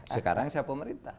sekarang saya pemerintah